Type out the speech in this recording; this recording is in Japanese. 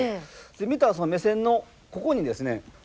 見た目線のここにですね